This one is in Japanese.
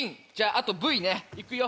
あと武威ねいくよ